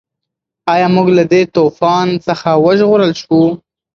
ایا موږ له دې طوفان څخه وژغورل شوو؟